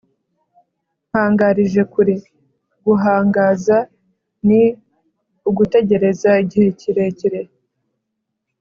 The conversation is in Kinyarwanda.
mpangarijekure: guhangaza ni ugutegereza igihe kirekire